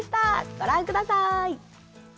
ご覧ください。